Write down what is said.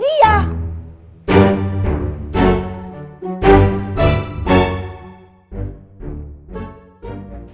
tidak ada yang ngomong begitu